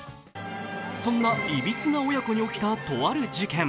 そんないびつな親子に起きたとある事件。